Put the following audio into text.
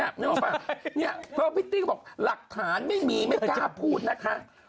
ไม่มีออกไว้หลักฐานไม่มีไม่พูดนะคะ